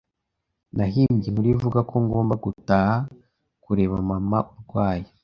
Nahimbye inkuru ivuga ko ngomba gutaha kureba mama urwaye.